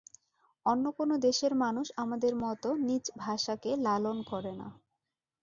অন্য কোনো দেশের মানুষ আমাদের মতো নিজ ভাষাকে লালন করে না।